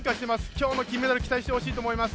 今日の金メダル期待してほしいと思います。